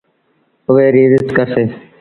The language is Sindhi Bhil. اُئي ريٚ ازت ڪرسي۔